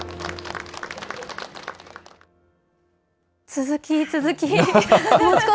続き、続き。